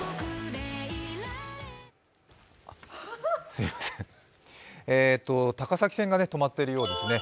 すみません、高崎線が止まっているようですね。